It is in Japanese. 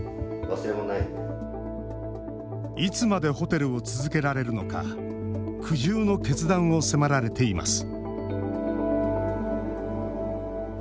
いつまでホテルを続けられるのか苦渋の決断を迫られています